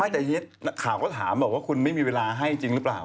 เช่นเสียงก็ถามว่าคุณไม่มีเวลาให้จริงรึเปล่า